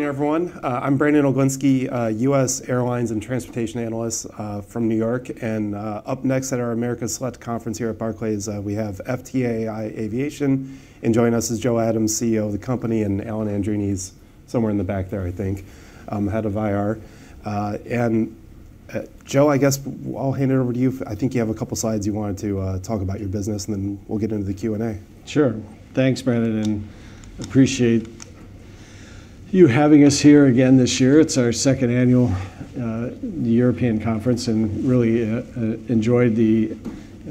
Good morning, everyone. I'm Brandon Oglenski, a U.S. airlines and transportation analyst from New York. Up next at our Americas Select Conference here at Barclays, we have FTAI Aviation. Joining us is Joe Adams, CEO of the company, and Alan Andreini's somewhere in the back there, I think, Head of IR. Joe, I guess I'll hand it over to you. I think you have a couple slides you wanted to talk about your business, and then we'll get into the Q&A. Sure. Thanks, Brandon, and appreciate you having us here again this year. It's our second annual European conference, really enjoyed the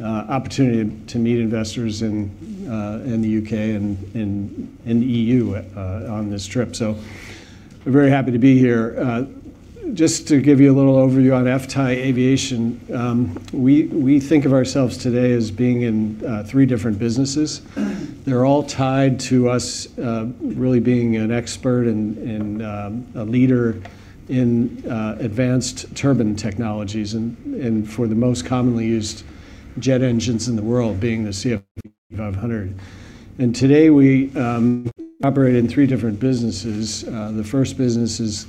opportunity to meet investors in the U.K. and EU on this trip. We're very happy to be here. Just to give you a little overview on FTAI Aviation, we think of ourselves today as being in three different businesses. They're all tied to us, really being an expert and a leader in advanced turbine technologies and for the most commonly used jet engines in the world, being the CFM56. Today we operate in three different businesses. The first business is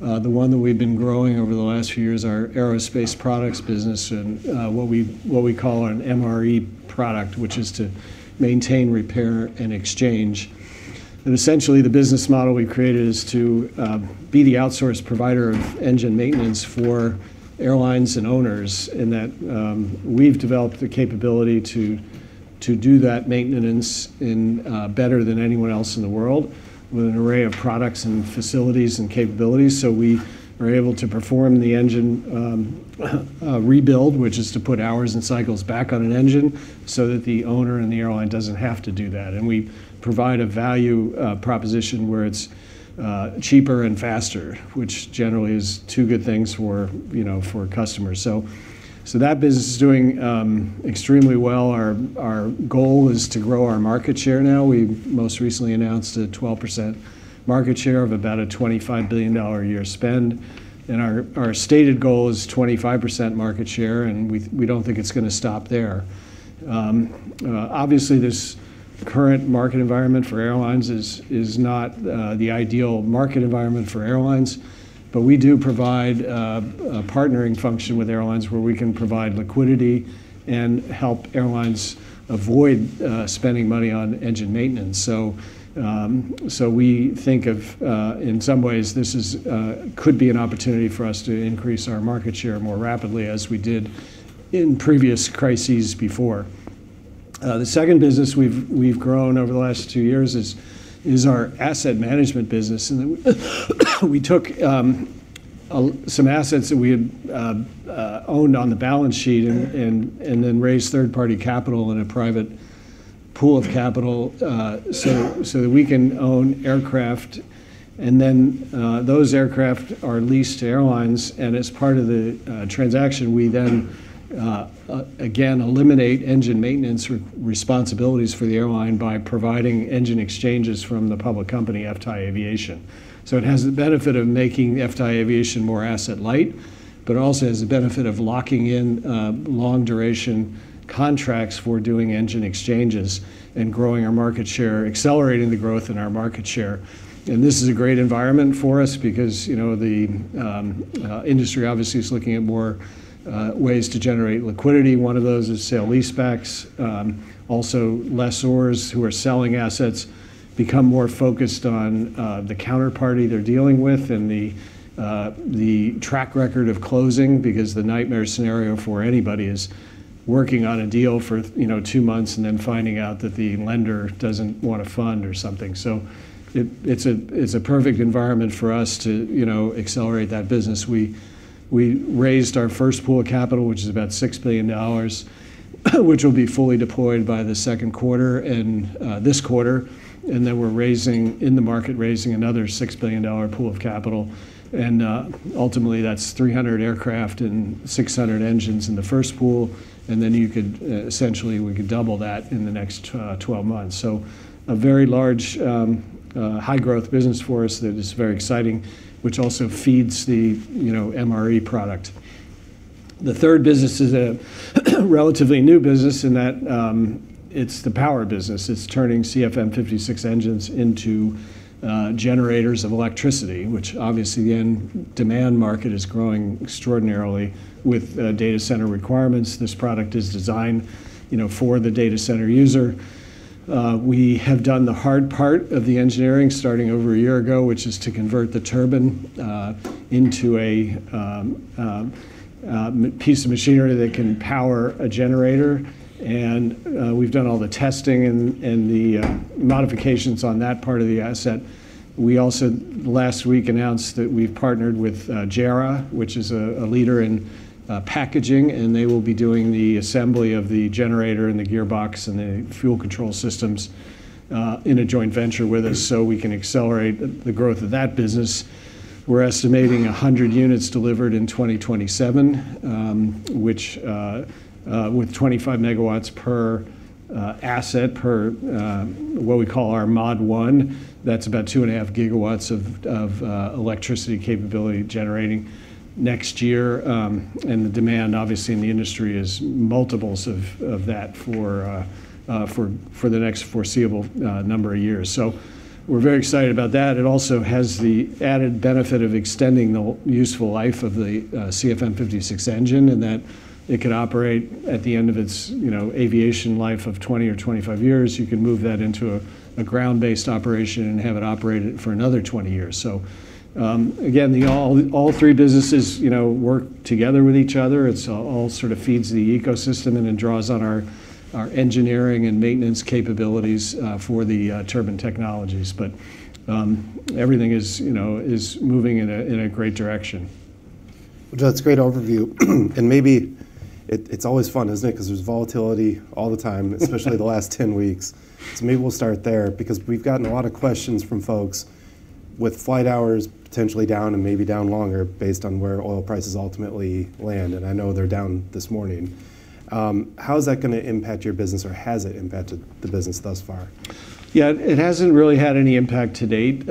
the one that we've been growing over the last few years, our aerospace products business and what we call an MRE product, which is to maintain, repair, and exchange. Essentially, the business model we created is to be the outsource provider of engine maintenance for airlines and owners in that, we've developed the capability to do that maintenance in better than anyone else in the world with an array of products and facilities and capabilities. We are able to perform the engine rebuild, which is to put hours and cycles back on an engine so that the owner and the airline doesn't have to do that. We provide a value proposition where it's cheaper and faster, which generally is two good things for, you know, for customers. That business is doing extremely well. Our goal is to grow our market share now. We most recently announced a 12% market share of about a $25 billion a year spend. Our stated goal is 25% market share, and we don't think it's gonna stop there. Obviously, this current market environment for airlines is not the ideal market environment for airlines. We do provide a partnering function with airlines where we can provide liquidity and help airlines avoid spending money on engine maintenance. We think of in some ways, this could be an opportunity for us to increase our market share more rapidly as we did in previous crises before. The second business we've grown over the last two years is our asset management business. We took some assets that we had owned on the balance sheet and raised third-party capital in a private pool of capital that we can own aircraft. Those aircraft are leased to airlines. As part of the transaction, we again eliminate engine maintenance responsibilities for the airline by providing engine exchanges from the public company, FTAI Aviation. It has the benefit of making FTAI Aviation more asset light, but also has the benefit of locking in long-duration contracts for doing engine exchanges and growing our market share, accelerating the growth in our market share. This is a great environment for us because, you know, the industry obviously is looking at more ways to generate liquidity. One of those is sale-leasebacks. Also lessors who are selling assets become more focused on the counterparty they're dealing with and the track record of closing because the nightmare scenario for anybody is working on a deal for, you know, two months and then finding out that the lender doesn't wanna fund or something. It's a perfect environment for us to, you know, accelerate that business. We raised our first pool of capital, which is about $6 billion, which will be fully deployed by the second quarter and this quarter, and then in the market, raising another $6 billion pool of capital. Ultimately, that's 300 aircraft and 600 engines in the first pool, then you could, essentially, we could double that in the next 12 months. A very large, high-growth business for us that is very exciting, which also feeds the, you know, MRE product. The third business is a relatively new business in that, it's the power business. It's turning CFM56 engines into generators of electricity, which obviously in demand market is growing extraordinarily with data center requirements. This product is designed, you know, for the data center user. We have done the hard part of the engineering starting over a year ago, which is to convert the turbine into a piece of machinery that can power a generator, and we've done all the testing and the modifications on that part of the asset. We also last week announced that we've partnered with Jarrah Group, which is a leader in packaging, and they will be doing the assembly of the generator and the gearbox and the fuel control systems in a joint venture with us, so we can accelerate the growth of that business. We're estimating 100 units delivered in 2027, which with 25 MW per asset per what we call our Module one. That's about 2.5 GW of electricity capability generating next year. The demand, obviously, in the industry is multiples of that for the next foreseeable number of years. We are very excited about that. It also has the added benefit of extending the useful life of the CFM56 engine in that. It could operate at the end of its, you know, aviation life of 20 or 25 years. You could move that into a ground-based operation and have it operate it for another 20 years. Again, the all three businesses, you know, work together with each other. It's all sort of feeds the ecosystem and then draws on our engineering and maintenance capabilities for the turbine technologies. Everything is, you know, is moving in a great direction. Well, that's a great overview. Maybe it's always fun, isn't it? Because there's volatility all the time, especially the last 10 weeks. Maybe we'll start there because we've gotten a lot of questions from folks with flight hours potentially down and maybe down longer based on where oil prices ultimately land, and I know they're down this morning. How is that going to impact your business, or has it impacted the business this far? Yeah, it hasn't really had any impact to date.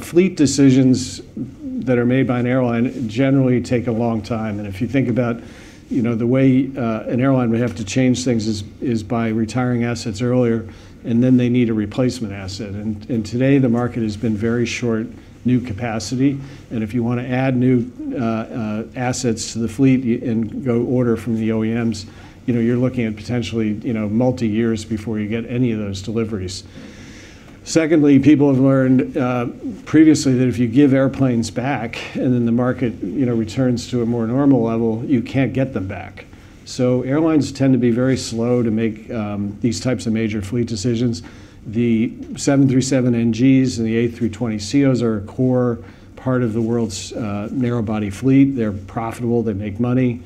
Fleet decisions that are made by an airline generally take a long time. If you think about, you know, the way an airline would have to change things is by retiring assets earlier, and then they need a replacement asset. Today the market has been very short new capacity, and if you want to add new assets to the fleet and go order from the OEMs, you know, you're looking at potentially, you know, multi-years before you get any of those deliveries. Secondly, people have learned previously that if you give airplanes back and then the market, you know, returns to a more normal level, you can't get them back. Airlines tend to be very slow to make these types of major fleet decisions. The 737NG and the A320ceo are a core part of the world's narrow body fleet. They're profitable, they make money.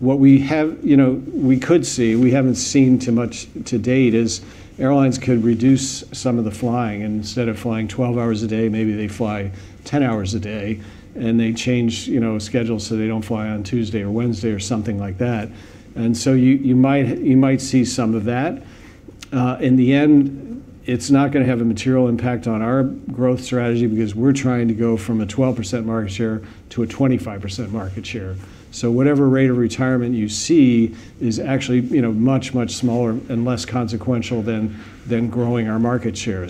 You know, we could see, we haven't seen too much to date, is airlines could reduce some of the flying. Instead of flying 12 hours a day, maybe they fly 10 hours a day, and they change, you know, schedules so they don't fly on Tuesday or Wednesday or something like that. You might see some of that. In the end, it's not gonna have a material impact on our growth strategy because we're trying to go from a 12% market share to a 25% market share. Whatever rate of retirement you see is actually, you know, much smaller and less consequential than growing our market share.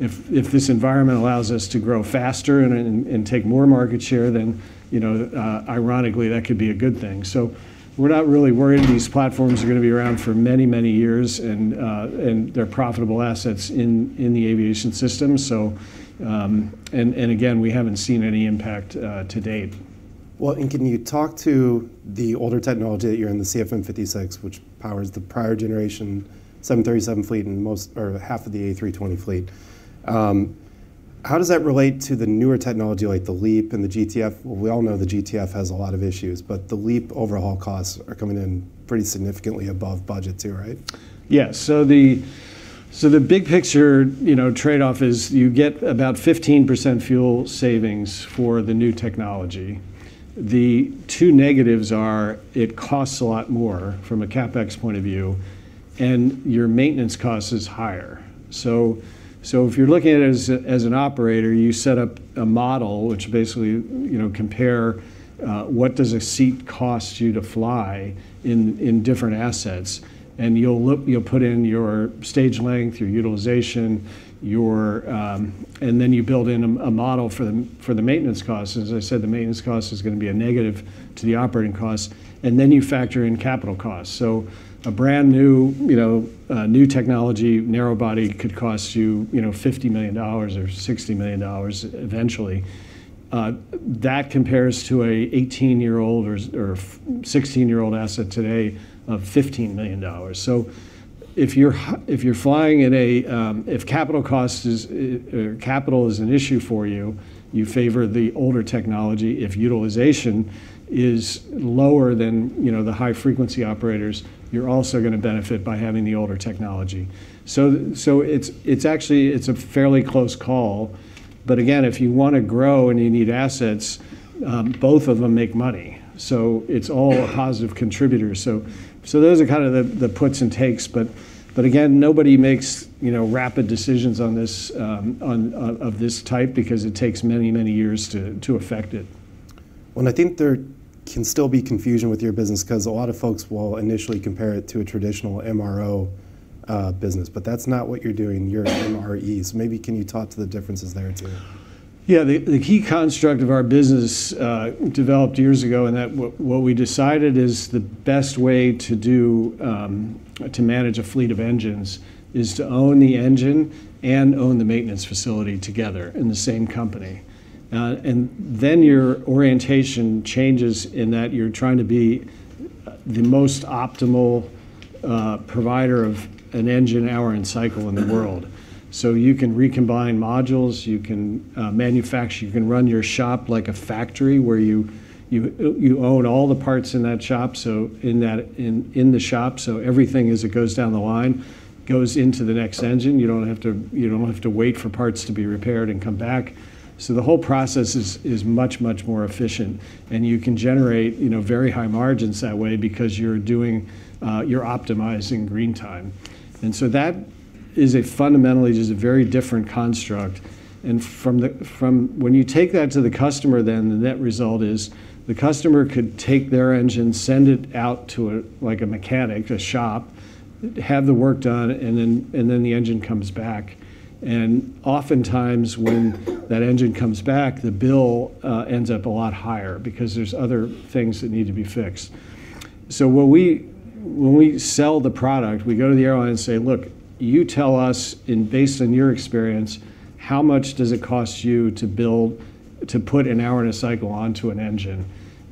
If this environment allows us to grow faster and take more market share, then, you know, ironically that could be a good thing. We're not really worried. These platforms are gonna be around for many, many years and they're profitable assets in the aviation system. And again, we haven't seen any impact to date. Well, can you talk to the older technology that you're in, the CFM56, which powers the prior generation 737 fleet and most or half of the A320 fleet? How does that relate to the newer technology like the LEAP and the GTF? We all know the GTF has a lot of issues, but the LEAP overhaul costs are coming in pretty significantly above budget too, right? Yeah. The big picture, you know, trade-off is you get about 15% fuel savings for the new technology. The two negatives are it costs a lot more from a CapEx point of view, your maintenance cost is higher. If you're looking at it as an operator, you set up a model which basically, you know, compare what does a seat cost you to fly in different assets. You'll put in your stage length, your utilization, your. Then you build in a model for the maintenance costs. As I said, the maintenance cost is gonna be a negative to the operating cost, then you factor in capital costs. A brand-new, you know, new technology narrow body could cost you know, $50 million or $60 million eventually. That compares to a 18-year-old or 16-year-old asset today of $15 million. If you're flying in a, if capital is an issue for you favor the older technology. If utilization is lower than, you know, the high-frequency operators, you're also gonna benefit by having the older technology. It's actually a fairly close call. Again, if you wanna grow and you need assets, both of them make money. It's all positive contributors. Those are kind of the puts and takes. Again, nobody makes, you know, rapid decisions on this type because it takes many, many years to affect it. Well, I think there can still be confusion with your business 'cause a lot of folks will initially compare it to a traditional MRO business, but that's not what you're doing. You're an MRE. Maybe can you talk to the differences there too? The key construct of our business developed years ago in that what we decided is the best way to do to manage a fleet of engines is to own the engine and own the maintenance facility together in the same company. Your orientation changes in that you're trying to be the most optimal provider of an engine hour and cycle in the world. You can recombine modules, you can manufacture, you can run your shop like a factory where you own all the parts in that shop, so everything as it goes down the line goes into the next engine. You don't have to wait for parts to be repaired and come back. The whole process is much, much more efficient, and you can generate, you know, very high margins that way because you're optimizing green time. That is a fundamentally, just a very different construct. When you take that to the customer then, the net result is the customer could take their engine, send it out to a, like a mechanic, a shop, have the work done, and then the engine comes back. Oftentimes when that engine comes back, the bill ends up a lot higher because there's other things that need to be fixed. When we sell the product, we go to the airline and say, "Look, you tell us and based on your experience, how much does it cost you to put an hour and a cycle onto an engine?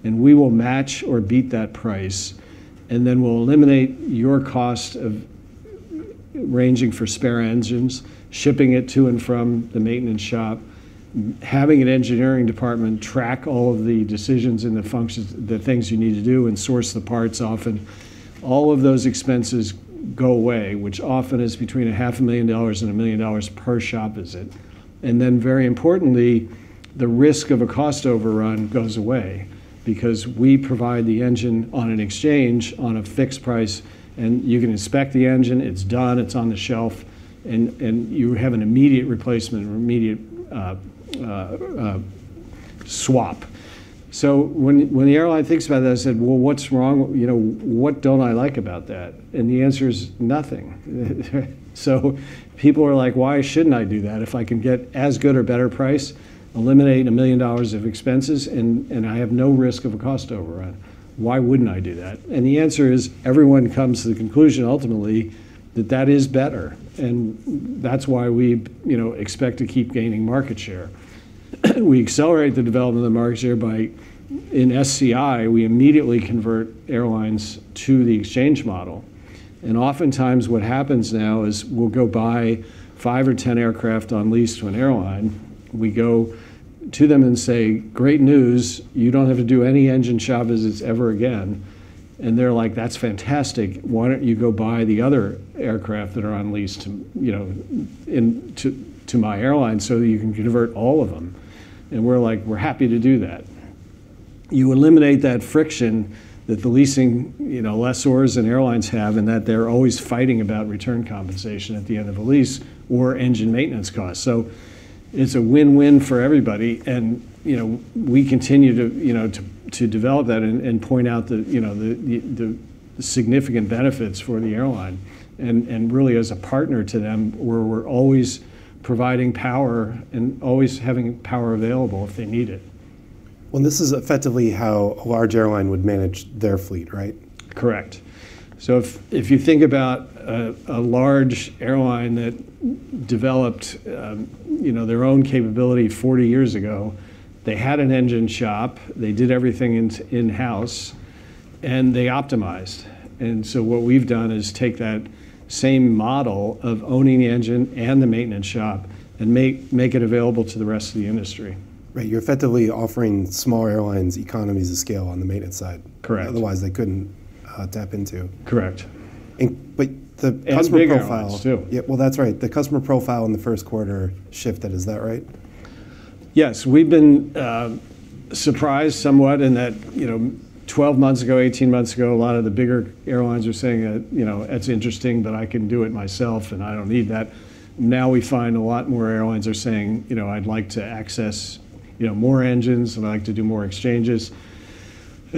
We will match or beat that price, and then we'll eliminate your cost of ranging for spare engines, shipping it to and from the maintenance shop, having an engineering department track all of the decisions and the functions, the things you need to do, and source the parts often. All of those expenses go away, which often is between a half a million dollars and a million dollars per shop visit. Very importantly, the risk of a cost overrun goes away because we provide the engine on an exchange on a fixed price, and you can inspect the engine, it's done, it's on the shelf, and you have an immediate replacement or immediate swap. When the airline thinks about that, they said, "Well, what's wrong? You know, what don't I like about that?" The answer is nothing. People are like, "Why shouldn't I do that if I can get as good or better price, eliminate a million dollars of expenses and I have no risk of a cost overrun? Why wouldn't I do that?" The answer is everyone comes to the conclusion ultimately that that is better, and that's why we, you know, expect to keep gaining market share. We accelerate the development of the market share by, in SCI, we immediately convert airlines to the exchange model. Oftentimes what happens now is we'll go buy five or 10 aircraft on lease to an airline. We go to them and say, "Great news. You don't have to do any engine shop visits ever again." They're like, "That's fantastic. Why don't you go buy the other aircraft that are on lease to, you know, to my airline so that you can convert all of them? We're like, "We're happy to do that." You eliminate that friction that the leasing, you know, lessors and airlines have and that they're always fighting about return compensation at the end of a lease, or engine maintenance costs. It's a win-win for everybody and, you know, we continue to, you know, to develop that and point out the, you know, the significant benefits for the airline and really as a partner to them where we're always providing power and always having power available if they need it. Well, this is effectively how a large airline would manage their fleet, right? Correct. If you think about a large airline that developed, you know, their own capability 40 years ago, they had an engine shop, they did everything in-house, and they optimized. What we've done is take that same model of owning the engine and the maintenance shop and make it available to the rest of the industry. Right. You're effectively offering small airlines economies of scale on the maintenance side. Correct Otherwise they couldn't tap into. Correct. The customer profile. Big airlines too. Yeah. Well, that's right. The customer profile in the first quarter shifted. Is that right? Yes. We've been surprised somewhat in that, you know, 12 months ago, 18 months ago, a lot of the bigger airlines are saying that, you know, "It's interesting, but I can do it myself, and I don't need that." Now we find a lot more airlines are saying, you know, "I'd like to access, you know, more engines, and I'd like to do more exchanges."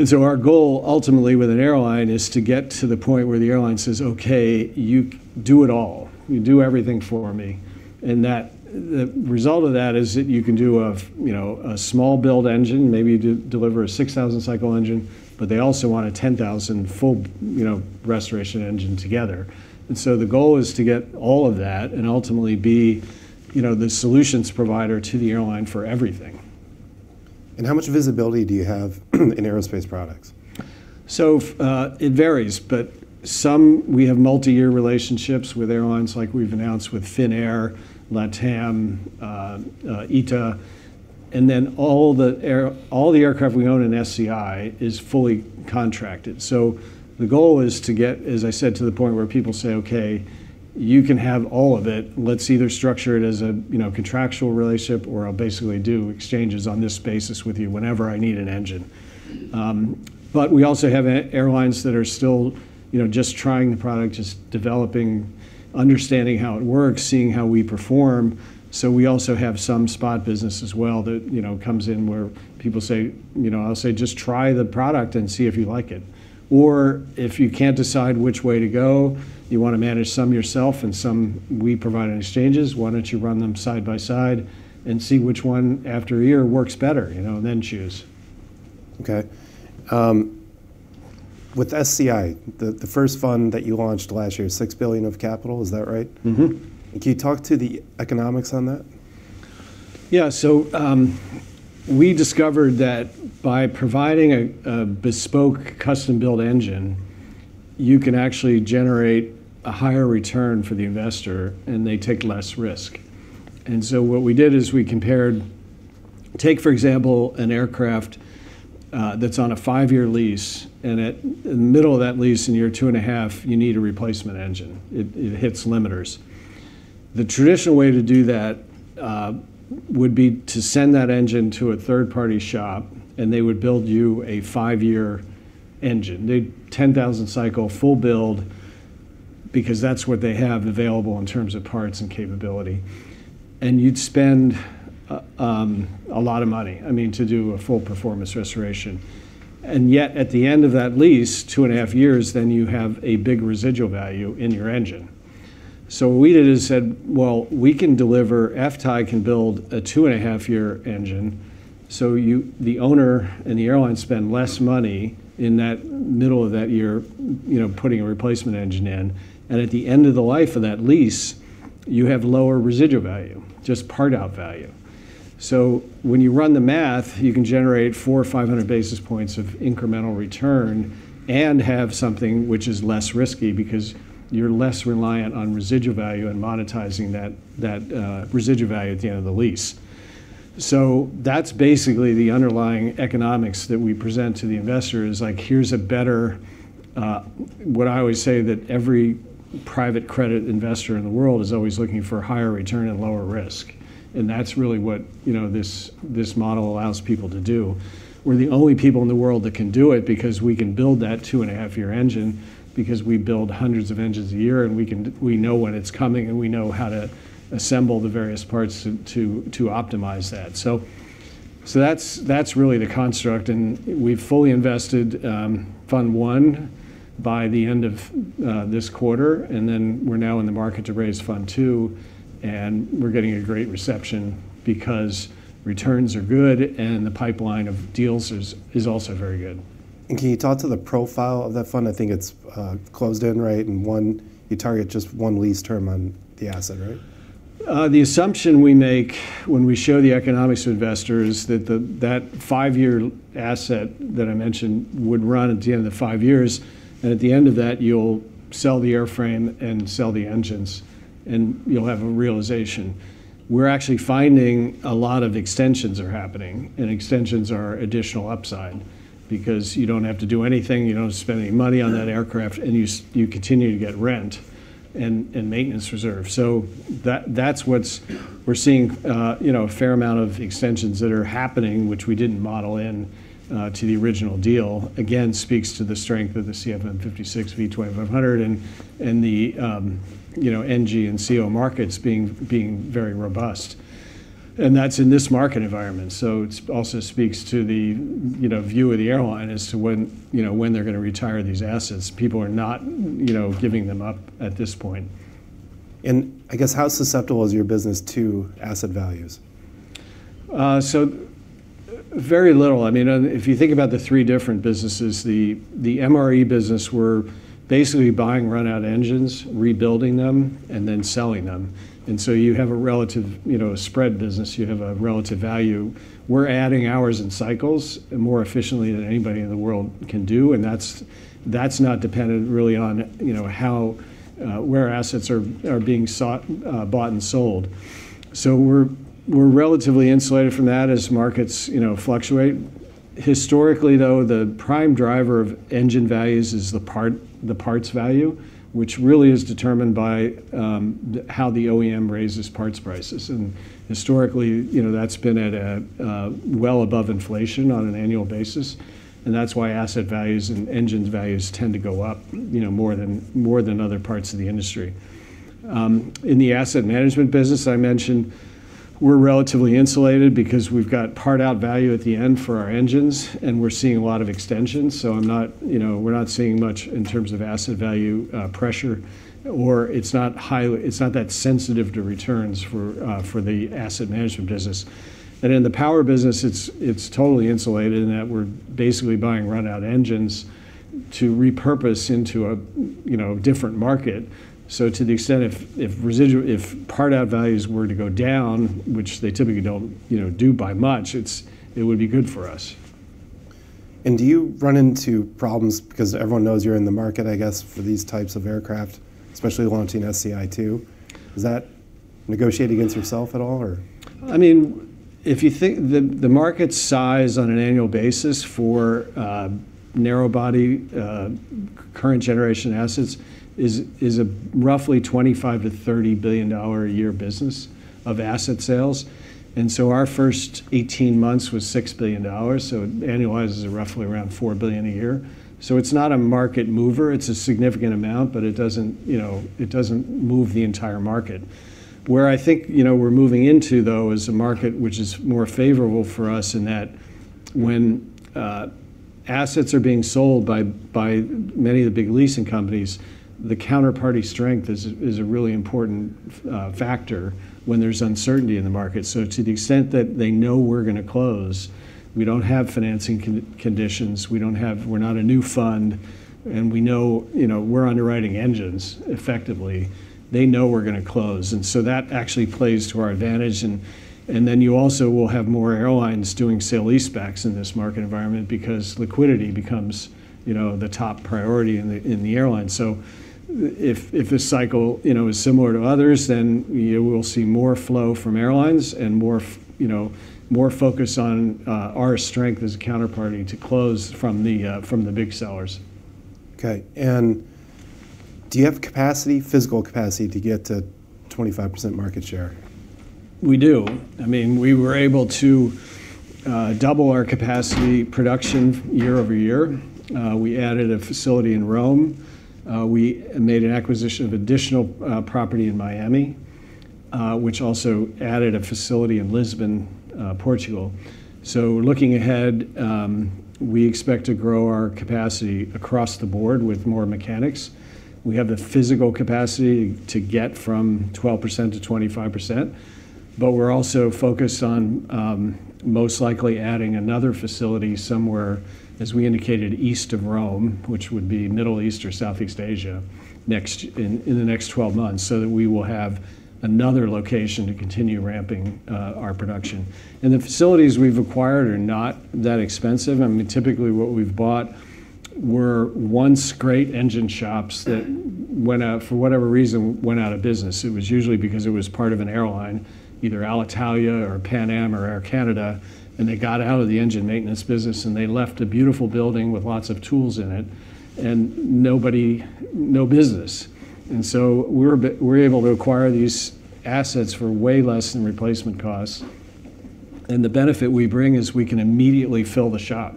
So our goal ultimately with an airline is to get to the point where the airline says, "Okay, you do it all. You do everything for me." The result of that is that you can do a, you know, a small build engine, maybe deliver a 6,000 cycle engine, but they also want a 10,000 full, you know, restoration engine together. The goal is to get all of that and ultimately be, you know, the solutions provider to the airline for everything. How much visibility do you have in aerospace products? It varies, but some we have multi-year relationships with airlines like we've announced with Finnair, LATAM, ITA, all the aircraft we own in SCI is fully contracted. The goal is to get, as I said, to the point where people say, "Okay, you can have all of it. Let's either structure it as a, you know, contractual relationship, or I'll basically do exchanges on this basis with you whenever I need an engine." We also have airlines that are still, you know, just trying the product, just developing, understanding how it works, seeing how we perform. We also have some spot business as well that, you know, comes in where people say, you know, I'll say, "Just try the product and see if you like it." Or if you can't decide which way to go, you wanna manage some yourself and some we provide in exchanges, why don't you run them side by side and see which one after a year works better, you know, then choose. Okay. with SCI, the first fund that you launched last year, $6 billion of capital. Is that right? Can you talk to the economics on that? We discovered that by providing a bespoke custom-built engine, you can actually generate a higher return for the investor, and they take less risk. What we did is we compared, take, for example, an aircraft that's on a five-year lease, and at the middle of that lease in year two and a half, you need a replacement engine. It hits limiters. The traditional way to do that would be to send that engine to a third-party shop, and they would build you a five-year engine. 10,000 cycle full build because that's what they have available in terms of parts and capability. You'd spend a lot of money, I mean, to do a full performance restoration. Yet, at the end of that lease, two and a half years, then you have a big residual value in your engine. What we did, well, we can deliver, FTAI can build a two-and-a-half year engine, so the owner and the airline spend less money in that middle of that year, you know, putting a replacement engine in. At the end of the life of that lease, you have lower residual value, just part-out value. When you run the math, you can generate 400 or 500 basis points of incremental return and have something which is less risky because you're less reliant on residual value and monetizing that residual value at the end of the lease. That's basically the underlying economics that we present to the investors, like, here's a better, what I always say that every private credit investor in the world is always looking for higher return and lower risk. That's really what, you know, this model allows people to do. We're the only people in the world that can do it because we can build that two and a half-year engine because we build hundreds of engines a year, and we know when it's coming, and we know how to assemble the various parts to optimize that. That's really the construct, and we've fully invested fund 1 by the end of this quarter, and then we're now in the market to raise fund 2, and we're getting a great reception because returns are good and the pipeline of deals is also very good. Can you talk to the profile of that fund? I think it's closed in, right? You target just one lease term on the asset, right? The assumption we make when we show the economics to investors that the five-year asset that I mentioned would run at the end of the five years, and at the end of that, you'll sell the airframe and sell the engines, and you'll have a realization. We're actually finding a lot of extensions are happening, and extensions are additional upside because you don't have to do anything, you don't have to spend any money on that aircraft, and you continue to get rent and maintenance reserve. That, that's what we're seeing, you know, a fair amount of extensions that are happening, which we didn't model in to the original deal. Again, speaks to the strength of the CFM56 V2500 and the, you know, NG and CEO markets being very robust. That's in this market environment, so it also speaks to the, you know, view of the airline as to when, you know, when they're gonna retire these assets. People are not, you know, giving them up at this point. I guess how susceptible is your business to asset values? Very little. I mean, if you think about the three different businesses, the MRE business, we're basically buying run out engines, rebuilding them, and then selling them. You have a relative, you know, a spread business, you have a relative value. We're adding hours and cycles more efficiently than anybody in the world can do, and that's not dependent really on, you know, how where assets are being sought, bought, and sold. We're relatively insulated from that as markets, you know, fluctuate. Historically, though, the prime driver of engine values is the parts value, which really is determined by how the OEM raises parts prices. Historically, you know, that's been at a well above inflation on an annual basis, and that's why asset values and engines values tend to go up, you know, more than other parts of the industry. In the asset management business, I mentioned we're relatively insulated because we've got part-out value at the end for our engines, and we're seeing a lot of extensions. I'm not, you know, we're not seeing much in terms of asset value pressure, or it's not that sensitive to returns for the asset management business. In the power business, it's totally insulated in that we're basically buying run out engines to repurpose into a, you know, different market. To the extent if part-out values were to go down, which they typically don't, you know, do by much, it would be good for us. Do you run into problems because everyone knows you're in the market, I guess, for these types of aircraft, especially launching SCI 2? Does that negotiate against yourself at all, or? I mean, if you think the market size on an annual basis for narrow-body current generation assets is a roughly $25 billion-$30 billion a year business of asset sales. Our first 18 months was $6 billion, so annualizes are roughly around $4 billion a year. It's not a market mover. It's a significant amount, it doesn't, you know, it doesn't move the entire market. Where I think, you know, we're moving into, though, is a market which is more favorable for us in that when assets are being sold by many of the big leasing companies, the counterparty strength is a really important factor when there's uncertainty in the market. To the extent that they know we're gonna close, we don't have financing conditions, we're not a new fund. We know, you know, we're underwriting engines effectively. They know we're gonna close, and so that actually plays to our advantage. Then you also will have more airlines doing sale-leasebacks in this market environment because liquidity becomes, you know, the top priority in the airline. If this cycle, you know, is similar to others, then you will see more flow from airlines and more, you know, more focus on our strength as a counterparty to close from the big sellers. Okay. Do you have capacity, physical capacity to get to 25% market share? We do. I mean, we were able to double our capacity production year-over-year. We added a facility in Rome. We made an acquisition of additional property in Miami. Which also added a facility in Lisbon, Portugal. Looking ahead, we expect to grow our capacity across the board with more mechanics. We have the physical capacity to get from 12% to 25%, but we're also focused on most likely adding another facility somewhere, as we indicated, east of Rome, which would be Middle East or Southeast Asia in the next 12 months, so that we will have another location to continue ramping our production. The facilities we've acquired are not that expensive. I mean, typically, what we've bought were once great engine shops that for whatever reason, went out of business. It was usually because it was part of an airline, either Alitalia or Pan Am or Air Canada, and they got out of the engine maintenance business, and they left a beautiful building with lots of tools in it, and nobody no business. We're able to acquire these assets for way less than replacement costs. The benefit we bring is we can immediately fill the shop.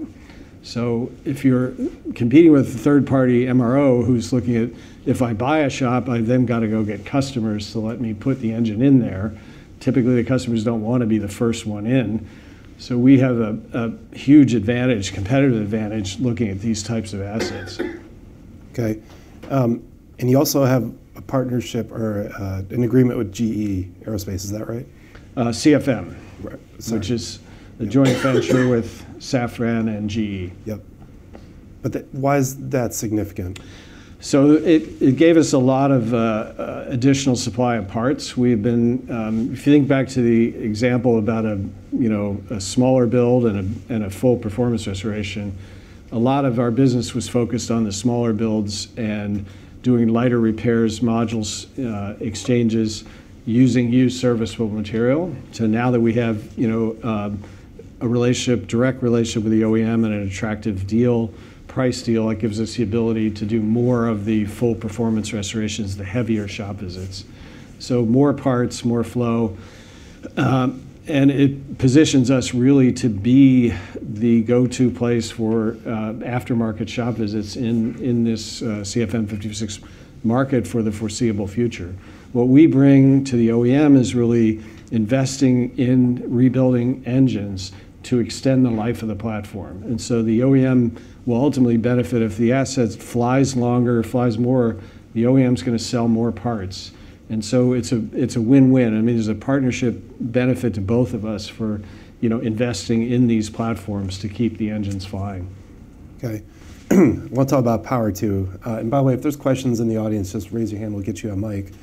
If you're competing with a third-party MRO who's looking at, "If I buy a shop, I've then gotta go get customers to let me put the engine in there," typically, the customers don't wanna be the first one in. We have a huge advantage, competitive advantage, looking at these types of assets. Okay. You also have a partnership or, an agreement with GE Aerospace, is that right? CFM. Right. Sorry. Which is a joint venture with CFM and GE. Yep. Why is that significant? It gave us a lot of additional supply of parts. We've been, if you think back to the example about a, you know, a smaller build and a full performance restoration, a lot of our business was focused on the smaller builds and doing lighter repairs, modules, exchanges, using used serviceable material. Now that we have, you know, a relationship, direct relationship with the OEM and an attractive deal, price deal, it gives us the ability to do more of the full performance restorations, the heavier shop visits. More parts, more flow. And it positions us really to be the go-to place for aftermarket shop visits in this CFM56 market for the foreseeable future. What we bring to the OEM is really investing in rebuilding engines to extend the life of the platform. The OEM will ultimately benefit. If the asset flies longer, flies more, the OEM's gonna sell more parts. It's a, it's a win-win. I mean, there's a partnership benefit to both of us for, you know, investing in these platforms to keep the engines flying. Okay. I wanna talk about power too. By the way, if there's questions in the audience, just raise your hand, we'll get you a mic.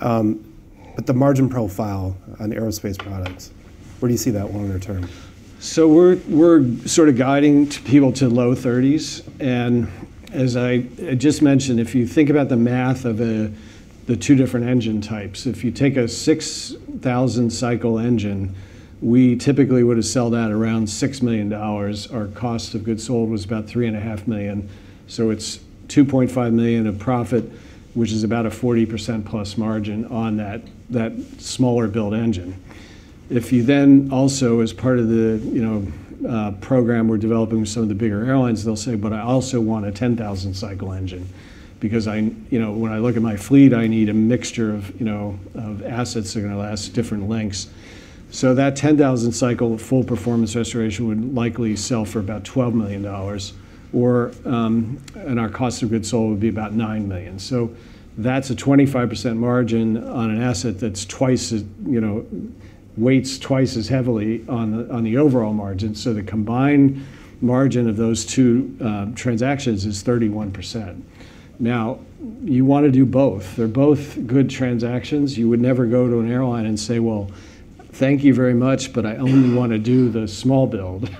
The margin profile on aerospace products, where do you see that longer term? We're sort of guiding people to low 30s. As I just mentioned, if you think about the math of the two different engine types, if you take a 6,000 cycle engine, we typically would have sold that around $6 million. Our cost of goods sold was about $3.5 million. It's $2.5 million of profit, which is about a 40%+ margin on that smaller build engine. If you also, as part of the, you know, program we're developing with some of the bigger airlines, they'll say, "I also want a 10,000 cycle engine, because you know, when I look at my fleet, I need a mixture of, you know, of assets that are going to last different lengths." That 10,000 cycle full performance restoration would likely sell for about $12 million, and our cost of goods sold would be about $9 million. That's a 25% margin on an asset that's twice as, you know, weighs twice as heavily on the overall margin. The combined margin of those two transactions is 31%. You want to do both. They're both good transactions. You would never go to an airline and say, "Well, thank you very much, but I only wanna do the small build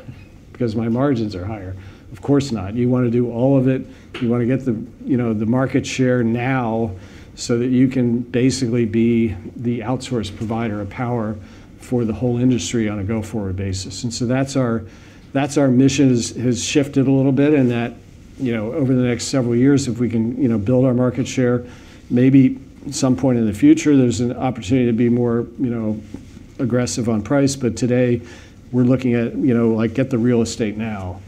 because my margins are higher." Of course not. You wanna do all of it. You wanna get the, you know, the market share now so that you can basically be the outsource provider of power for the whole industry on a go-forward basis. That's our mission, has shifted a little bit in that, you know, over the next several years, if we can, you know, build our market share, maybe at some point in the future, there's an opportunity to be more, you know, aggressive on price. Today we're looking at, you know, like, get the real estate now.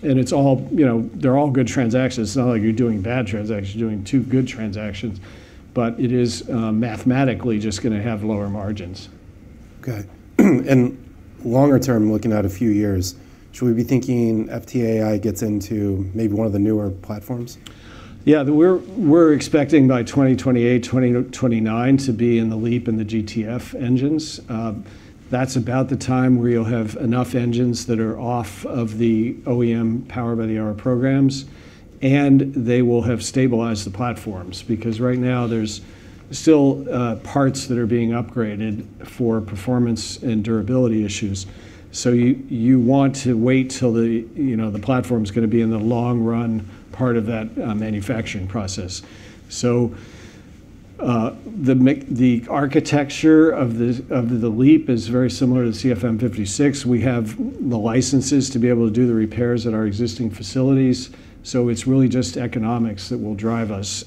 It's all, you know, they're all good transactions. It's not like you're doing bad transactions. You're doing two good transactions. It is, mathematically just gonna have lower margins. Okay. Longer term, looking out a few years, should we be thinking FTAI gets into maybe one of the newer platforms? We're expecting by 2028, 2029 to be in the LEAP and the GTF engines. That's about the time where you'll have enough engines that are off of the OEM Power by the Hour programs, and they will have stabilized the platforms. Right now there's still parts that are being upgraded for performance and durability issues. You want to wait till the, you know, the platform's gonna be in the long run part of that manufacturing process. The architecture of the LEAP is very similar to the CFM56. We have the licenses to be able to do the repairs at our existing facilities, it's really just economics that will drive us.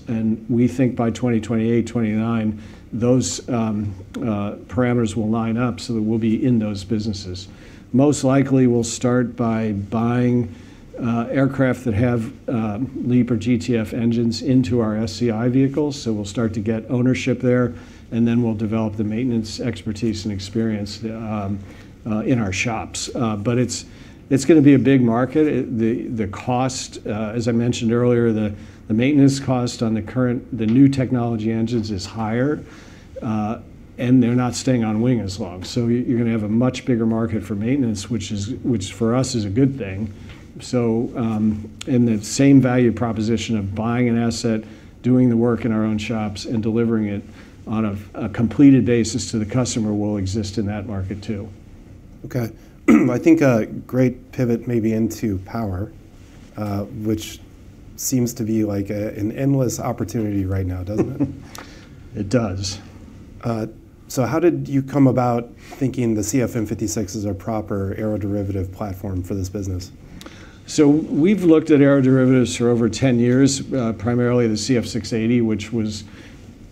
We think by 2028, 2029 those parameters will line up so that we'll be in those businesses. Most likely, we'll start by buying aircraft that have LEAP or GTF engines into our SCI vehicles, so we'll start to get ownership there, and then we'll develop the maintenance expertise and experience in our shops. It's gonna be a big market. The cost, as I mentioned earlier, the maintenance cost on the new technology engines is higher, they're not staying on wing as long. You're gonna have a much bigger market for maintenance, which for us is a good thing. The same value proposition of buying an asset, doing the work in our own shops, and delivering it on a completed basis to the customer will exist in that market too. Okay. I think a great pivot may be into power, which seems to be like an endless opportunity right now, doesn't it? It does. How did you come about thinking the CFM56 is a proper aeroderivative platform for this business? We've looked at aeroderivatives for over 10 years, primarily the CF6-80, which was,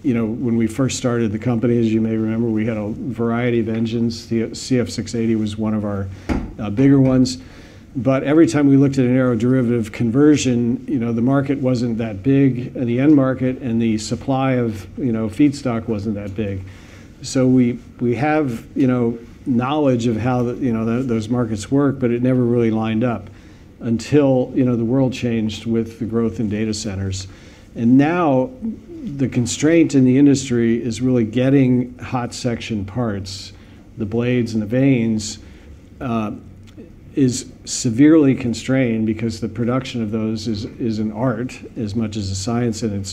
you know, when we first started the company, as you may remember, we had a variety of engines. The CF6-80 was one of our bigger ones. Every time we looked at an aeroderivative conversion, you know, the market wasn't that big, the end market, and the supply of, you know, feedstock wasn't that big. We, we have, you know, knowledge of how those markets work, but it never really lined up until, you know, the world changed with the growth in data centers. Now the constraint in the industry is really getting hot section parts. The blades and the vanes is severely constrained because the production of those is an art as much as a science, and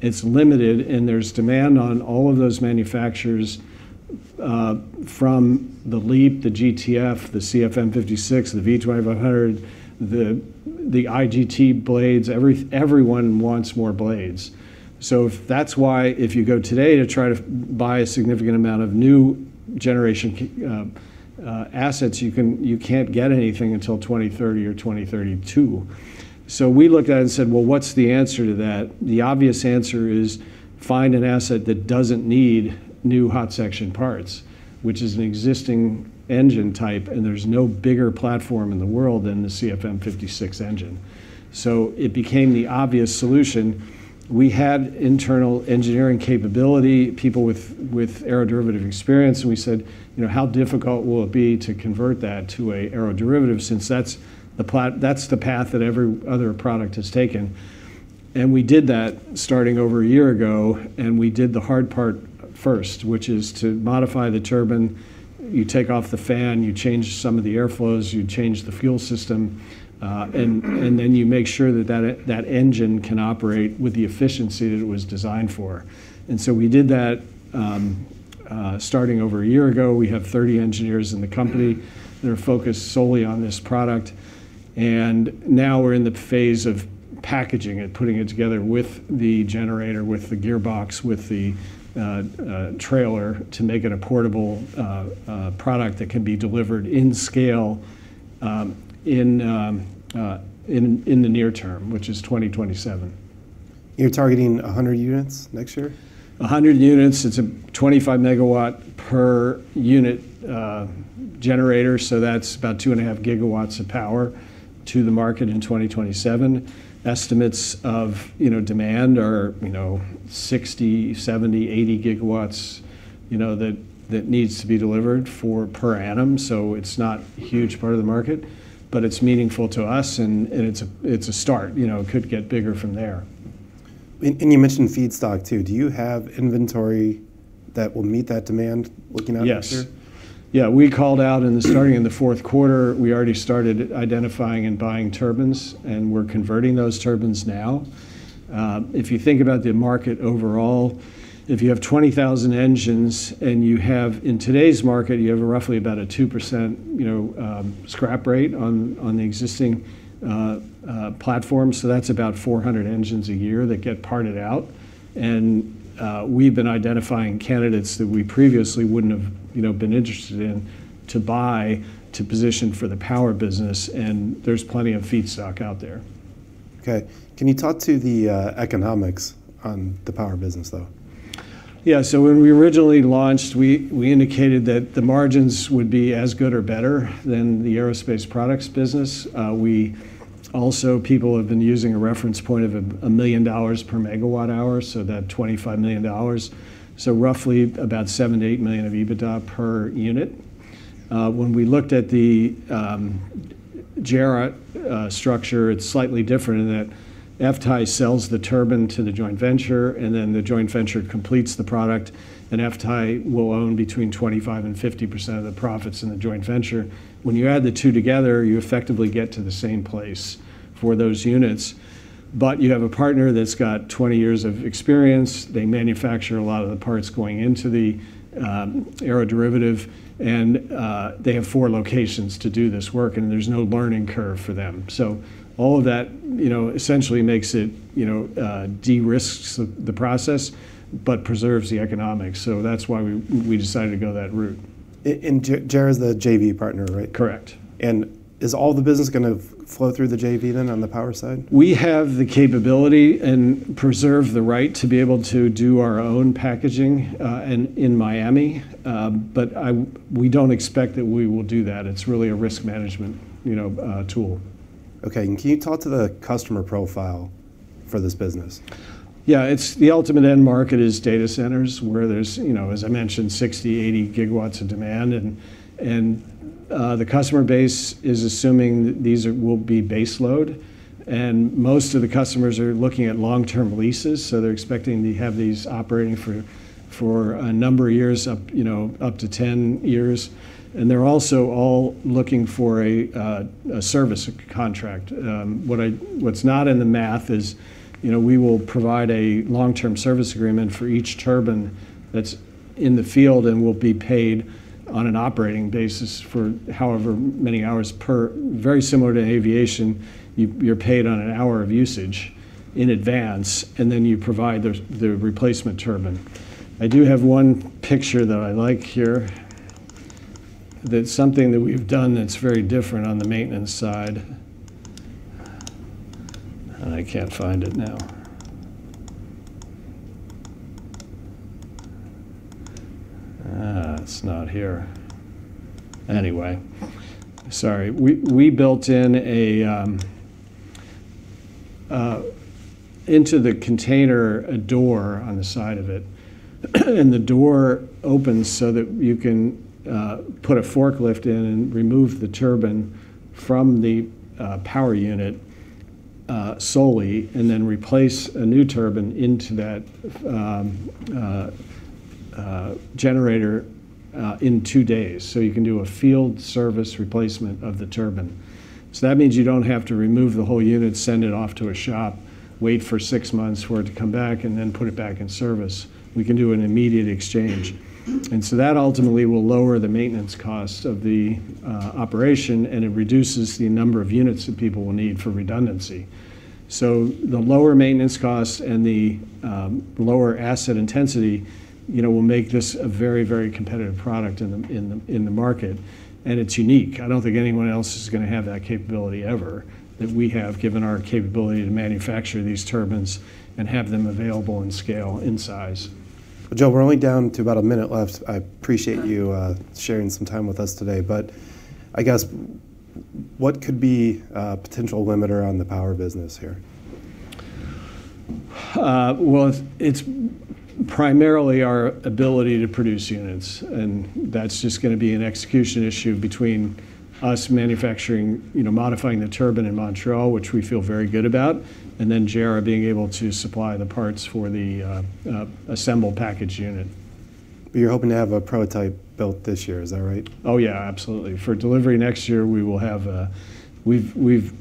it's limited, and there's demand on all of those manufacturers from the LEAP, the GTF, the CFM56, the V2500, the IGT blades, everyone wants more blades. That's why if you go today to try to buy a significant amount of new generation assets, you can't get anything until 2030 or 2032. We looked at it and said, "Well, what's the answer to that?" The obvious answer is find an asset that doesn't need new hot section parts, which is an existing engine type, and there's no bigger platform in the world than the CFM56 engine. It became the obvious solution. We had internal engineering capability, people with aeroderivative experience. We said, "You know, how difficult will it be to convert that to a aeroderivative since that's the path that every other product has taken?" We did that starting over a year ago. We did the hard part first, which is to modify the turbine. You take off the fan, you change some of the air flows, you change the fuel system. Then you make sure that that engine can operate with the efficiency that it was designed for. We did that starting over a year ago. We have 30 engineers in the company that are focused solely on this product. Now we're in the phase of packaging it, putting it together with the generator, with the gearbox, with the trailer to make it a portable product that can be delivered in scale in the near-term, which is 2027. You're targeting 100 units next year? 100 units. It's a 25 MW per unit generator, so that's about 2.5 GW of power to the market in 2027. Estimates of, you know, demand are, you know, 60 GW, 70 GW, 80 GW that needs to be delivered for per annum. It's not a huge part of the market, but it's meaningful to us and it's a start. You know, it could get bigger from there. You mentioned feedstock too. Do you have inventory that will meet that demand looking out next year? Yes. Yeah. We called out Starting in the fourth quarter, we already started identifying and buying turbines, and we're converting those turbines now. If you think about the market overall, if you have 20,000 engines and you have in today's market, you have a roughly about a 2%, you know, scrap rate on the existing platforms, so that's about 400 engines a year that get parted out. We've been identifying candidates that we previously wouldn't have, you know, been interested in to buy to position for the power business, and there's plenty of feedstock out there. Okay. Can you talk to the economics on the power business though? Yeah. When we originally launched, we indicated that the margins would be as good or better than the aerospace products business. Also, people have been using a reference point of a million dollars per megawatt hour, so that $25 million, so roughly about $7 million-$8 million of EBITDA per unit. When we looked at the Jarrah Group structure, it's slightly different in that FTAI sells the turbine to the joint venture, and then the joint venture completes the product, and FTAI will own between 25% and 50% of the profits in the joint venture. When you add the two together, you effectively get to the same place for those units. You have a partner that's got 20 years of experience. They manufacture a lot of the parts going into the aeroderivative, and they have four locations to do this work, and there's no learning curve for them. All of that, you know, essentially makes it, you know, de-risks the process but preserves the economics. That's why we decided to go that route. Jarrah is the JV partner, right? Correct. Is all the business gonna flow through the JV then on the power side? We have the capability and preserve the right to be able to do our own packaging, in Miami, but we don't expect that we will do that. It's really a risk management, you know, tool. Okay. Can you talk to the customer profile for this business? The ultimate end market is data centers where there's, as I mentioned, 60 GW, 80 GW of demand and the customer base is assuming these will be base load. Most of the customers are looking at long-term leases, so they're expecting to have these operating for a number of years up to 10 years. They're also all looking for a service contract. What's not in the math is we will provide a long-term service agreement for each turbine that's in the field and will be paid on an operating basis for however many hours per. Very similar to aviation, you're paid on an hour of usage in advance, and then you provide the replacement turbine. I do have one picture that I like here that's something that we've done that's very different on the maintenance side. I can't find it now. It's not here. Sorry. We built in a into the container a door on the side of it, and the door opens so that you can put a forklift in and remove the turbine from the power unit solely, and then replace a new turbine into that generator in two days. You can do a field service replacement of the turbine. That means you don't have to remove the whole unit, send it off to a shop, wait for six months for it to come back, and then put it back in service. We can do an immediate exchange. That ultimately will lower the maintenance costs of the operation, and it reduces the number of units that people will need for redundancy. The lower maintenance costs and the lower asset intensity, you know, will make this a very, very competitive product in the market, and it's unique. I don't think anyone else is gonna have that capability ever that we have given our capability to manufacture these turbines and have them available in scale, in size. Joe, we're only down to about one minute left. I appreciate you sharing some time with us today. I guess what could be a potential limiter on the power business here? Well, it's primarily our ability to produce units, and that's just gonna be an execution issue between us manufacturing, you know, modifying the turbine in Montreal, which we feel very good about, and then Jarrah being able to supply the parts for the assembled package unit. You're hoping to have a prototype built this year. Is that right? Oh, yeah, absolutely. We've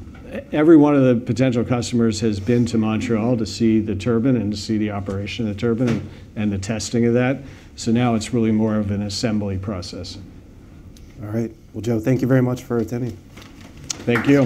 every one of the potential customers has been to Montreal to see the turbine and to see the operation of the turbine and the testing of that. Now it's really more of an assembly process. All right. Well, Joe, thank you very much for attending. Thank you.